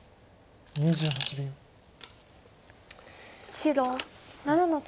白７の九。